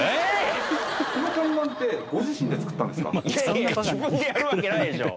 いやいや自分でやるわけないでしょ！